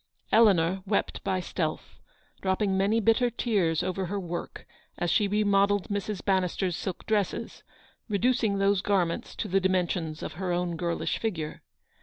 Eleanor wept by stealth; dropping many bitter tears over her work, as she remodelled Mrs. Bannister's silk dresses, reducing those garments to the dimen sions of her own girlish figure.